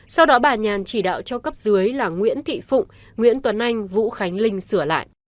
sau đó bà nhàn chỉ đạo cho cấp dưới là nguyễn thị phụng nguyễn tuấn anh vũ khánh linh sửa lại